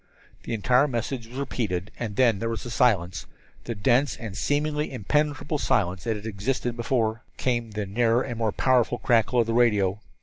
The entire message was repeated, and then there was silence the dense and seemingly impenetrable silence that had existed before. Came the nearer and more powerful crackle of the radio.